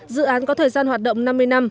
dự án có thời gian hoạt động năm mươi năm